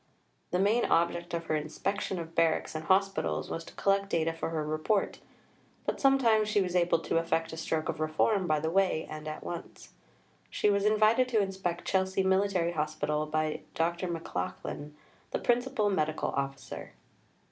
The main object of her inspection of Barracks and Hospitals was to collect data for her Report, but sometimes she was able to effect a stroke of reform by the way and at once. She was invited to inspect Chelsea Military Hospital by Dr. McLachlan, the Principal Medical Officer.